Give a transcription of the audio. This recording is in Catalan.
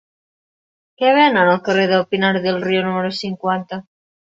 Què venen al carrer de Pinar del Río número cinquanta?